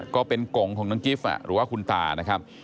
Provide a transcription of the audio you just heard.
กงของน้องกิฟต์หรือว่าคุณตานะครับ